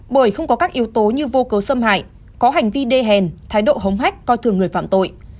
bởi không có các yếu tố như vô cấu xâm hại có hành vi đê hèn thái độ hống hách coi thường người phạm tội